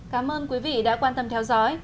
cảm ơn quý vị đã quan tâm theo dõi